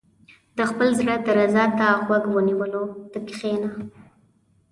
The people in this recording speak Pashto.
• د خپل زړۀ درزا ته غوږ نیولو ته کښېنه.